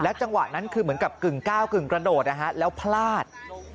จังหวะนั้นคือเหมือนกับกึ่งก้าวกึ่งกระโดดนะฮะแล้วพลาด